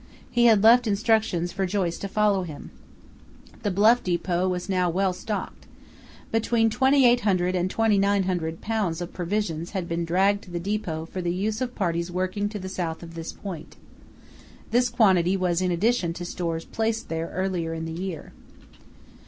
He had left instructions for Joyce to follow him. The Bluff depot was now well stocked. Between 2800 and 2900 lbs. of provisions had been dragged to the depot for the use of parties working to the south of this point. This quantity was in addition to stores placed there earlier in the year.